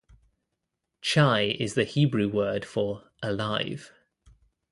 "Chai" is the Hebrew word for "alive".